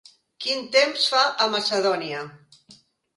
Quin temps fa a Macedònia